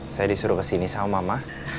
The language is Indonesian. saya disuruh kesini sama mama